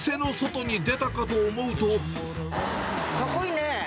かっこいいね。